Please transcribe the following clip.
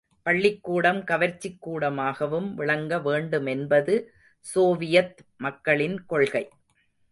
பள்ளிக் கூடம் கவர்ச்சிக் கூடமாகவும் விளங்க வேண்டுமென்பது சோவியத் மக்களின் கொள்கை.